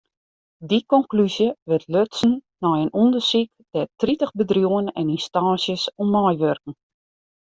Dy konklúzje wurdt lutsen nei in ûndersyk dêr't tritich bedriuwen en ynstânsjes oan meiwurken.